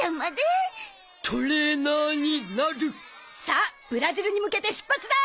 さあブラジルに向けて出発だ！